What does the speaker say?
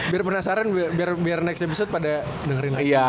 biar penasaran biar next episode pada dengerin aja